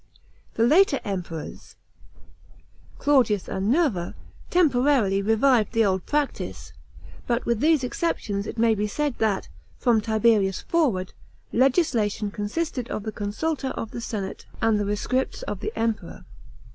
The later Emperors, Claudius and Nerva, temporarily revived the old practice ; but with these exceptions it may be said that, from Tiberius forward, legislation consisted of the consulta of the senate and the rescripts of the Emperor.